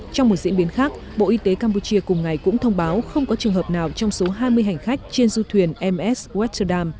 trong một diễn biến khác bộ y tế campuchia cùng ngày cũng thông báo không có trường hợp nào trong số hai mươi hành khách trên du thuyền ms westerdam